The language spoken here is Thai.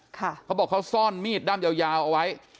เขาบอกเขาซ่อนมีดด้ามยาวเอาไว้